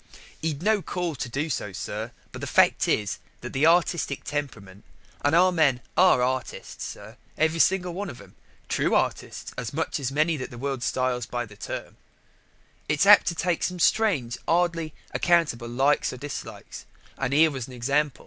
"He'd no call to do so, sir; but the fact is that the artistic temperament and our men are artists, sir, every man of them true artists as much as many that the world styles by that term it's apt to take some strange 'ardly accountable likes or dislikes, and here was an example.